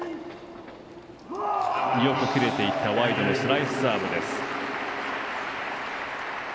よく切れていったワイドのスライスサーブです。